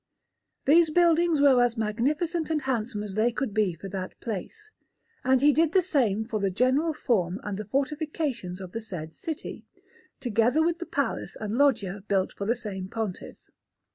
These buildings were as magnificent and handsome as they could be for that place; and he did the same for the general form and the fortifications of the said city, together with the palace and loggia built for the same Pontiff.